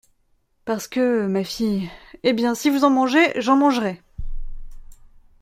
Parce que… , ma fille. — Eh bien, si vous en mangez, j’en mangerai.